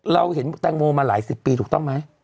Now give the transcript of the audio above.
เราเห็นคุณแตงโมมาหลายสิบปีถูกต้องไหม